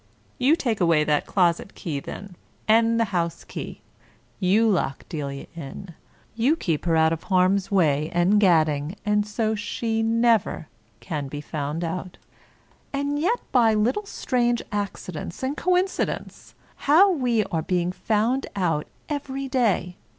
You take away that closet key then, and the house key. You lock Delia in. You keep her out of harm's way and gad ding, and so she never can be found out. 217 English Mystery Stories And yet by little strange accidents and coincidents how we are being found out every day.